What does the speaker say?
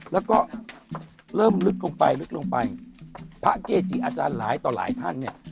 แล้วก็เริ่มลึกลงไปลึกลงไปพระเกจิอาจารย์หลายต่อหลายท่านเนี่ย